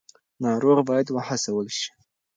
ناروغ باید وهڅول شي.